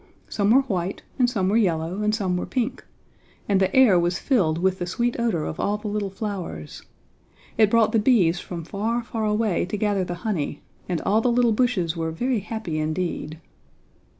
Some were white and some were yellow and some were pink; and the air was filled with the sweet odor of all the little flowers. It brought the bees from far, far away to gather the honey, and all the little bushes were very happy indeed.